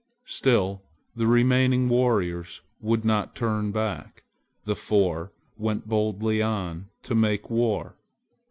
Still the remaining warriors would not turn back. The four went boldly on to make war.